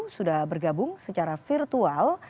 sudah bergabung secara virtual